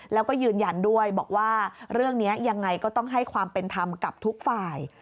แล้วก็ยืนยันด้วยบอกว่าเรื่องนี้ยังไงก็ต้องให้ความเป็นธรรมกับทุกฝ่าย